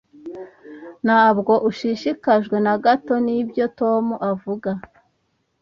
Ntabwo ushishikajwe na gato nibyo Tom avuga?